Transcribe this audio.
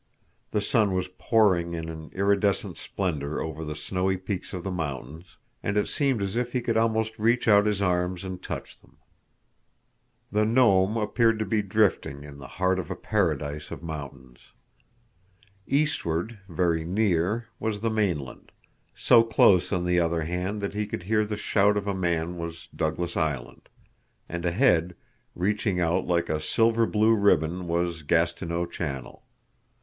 The sun was pouring in an iridescent splendor over the snowy peaks of the mountains, and it seemed as if he could almost reach out his arms and touch them. The Nome appeared to be drifting in the heart of a paradise of mountains. Eastward, very near, was the mainland; so close on the other hand that he could hear the shout of a man was Douglas Island, and ahead, reaching out like a silver blue ribbon was Gastineau Channel.